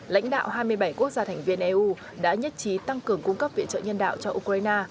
lãnh đạo hai mươi bảy quốc gia thành viên eu đã nhất trí tăng cường cung cấp viện trợ nhân đạo cho ukraine